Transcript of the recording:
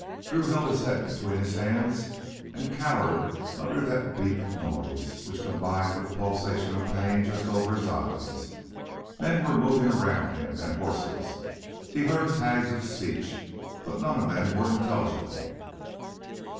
Drew held his head between his hands and cowered under that beat of noise which combined with the pulsation of pain just over his eyes. Men were moving around him, and horses. He heard tags of speech, but none of them were intelligible.